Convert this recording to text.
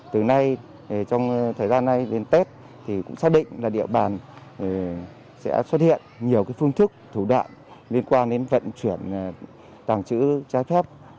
từ nay trong thời gian này đến tết thì cũng xác định là địa bàn sẽ xuất hiện nhiều phương thức thủ đoạn liên quan đến vận chuyển tàng trữ trái phép